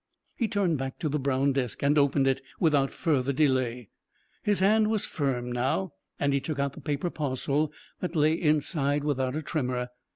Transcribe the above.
He turned back to the brown desk and opened it without further delay. His hand was firm now, and he took out the paper parcel that lay inside without a tremor.